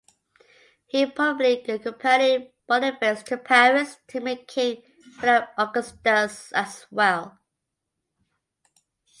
He probably accompanied Boniface to Paris to meet King Philip Augustus as well.